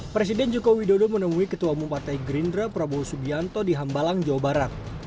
presiden joko widodo menemui ketua umum partai gerindra prabowo subianto di hambalang jawa barat